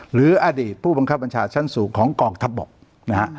หรืออดีตผู้บังคับบัญชาชั้นสูงของกองทัพบกนะฮะ